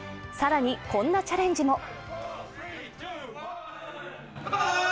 更に、こんなチャレンジも。